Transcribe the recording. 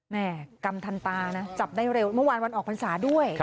แม่กรรมทันตานะจับได้เร็วเมื่อวานวันออกพรรษาด้วย